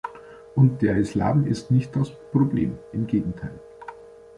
Und der Islam ist nicht das Problem, im Gegenteil.